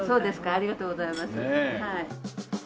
ありがとうございます。